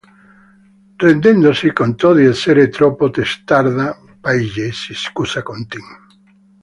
Rendendosi conto di essere troppo testarda Paige si scusa con Tim.